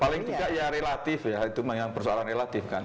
paling tidak ya relatif ya itu persoalan relatif kan